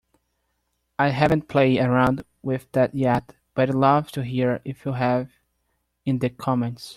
I haven't played around with that yet, but I'd love to hear if you have in the comments.